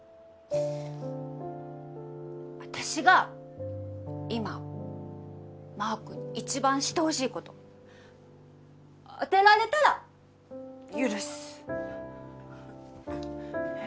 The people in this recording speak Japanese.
私が今マー君にいちばんしてほしいこと当てられたら許す。え？